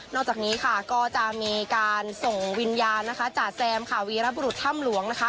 จากนี้ค่ะก็จะมีการส่งวิญญาณจ่าแซมวีรบุรุษถ้ำหลวง